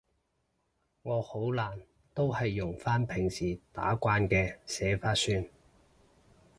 我好懶，都係用返平時打慣嘅寫法算